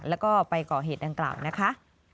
แล้วก็ไปก่อเหตุดังกล่าวนะคะ